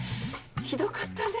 ひどかったね。